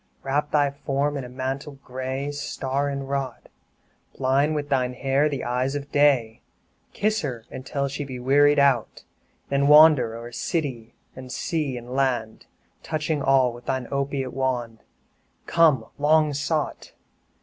2 Wrap thy form in a mantle gray, Star inwrought! Blind with thine hair the eyes of Day; Kiss her until she be wearied out, Then wander o'er city, and sea, and land, Touching all with thy opiate wand Come, long sought!